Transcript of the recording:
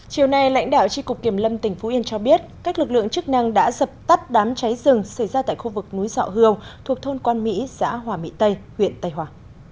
chiều nay lãnh đạo tri cục kiểm lâm tỉnh phú yên cho biết các lực lượng chức năng đã dập tắt đám cháy rừng xảy ra tại khu vực núi dọ hương thuộc thôn quan mỹ xã hòa mỹ tây huyện tây hòa